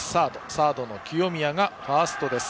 サードの清宮がファーストです。